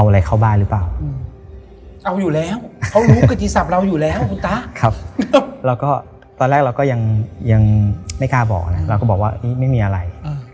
แล้วก็ตอนแรกเราก็ยังไม่กล้าบอกนะเราก็บอกว่านี่ไม่มีอะไร